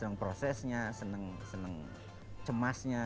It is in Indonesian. seneng prosesnya seneng cemasnya